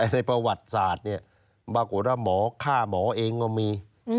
ในประวัติศาสน์เนี่ยบรรกษาค่าหมอเองก็มี